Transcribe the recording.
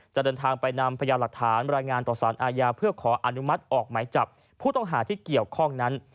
จะเดินทางไปนำพยานหลักฐานรายงานต่อสารอาญาเพื่อขออนุมัติออกหมายจับผู้ต้องหาที่เกี่ยวข้องนั้น